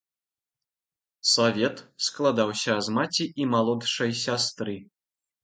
Савет складаўся з маці і малодшай сястры.